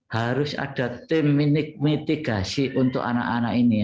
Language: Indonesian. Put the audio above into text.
harus ada tim mitigasi untuk anak anak ini